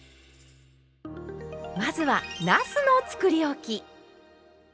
まずはなすのつくりおき。